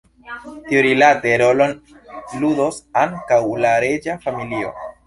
Tiurilate rolon ludos ankaŭ la reĝa familio.